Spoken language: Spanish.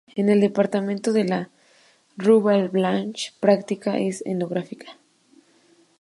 En el departamento de la Rue Blanche practica Escenografía.